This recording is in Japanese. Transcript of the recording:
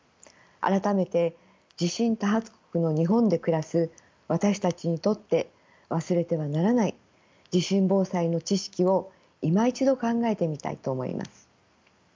改めて地震多発国の日本で暮らす私たちにとって忘れてはならない地震防災の知識をいま一度考えてみたいと思います。